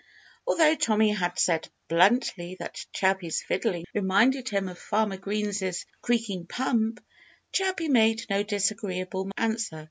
Although Tommy had said bluntly that Chirpy's fiddling reminded him of Farmer Green's creaking pump, Chirpy made no disagreeable answer.